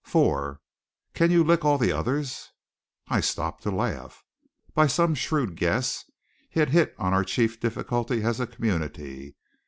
"Four." "Can you lick all the others?" I stopped to laugh. By some shrewd guess he had hit on our chief difficulty as a community.